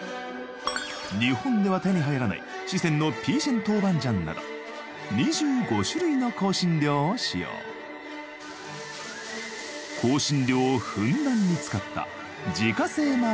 日本では手に入らない四川のピーシェン豆板醤など２５種類の香辛料を使用香辛料をふんだんに使った自家製麻婆